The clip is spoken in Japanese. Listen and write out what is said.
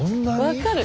分かる。